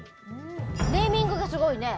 ネーミングがすごいね。